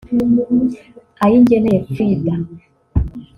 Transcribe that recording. Ayingeneye Frida